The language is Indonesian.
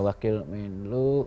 wakil menteri bumn lu